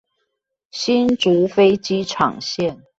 新竹飛機場線